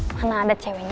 mana ada ceweknya asa